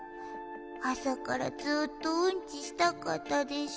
あさからずっとうんちしたかったでしょ？